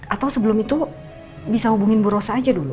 atau sebelum itu bisa hubungin bu rosa aja dulu